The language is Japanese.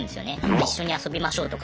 「一緒に遊びましょう」とか。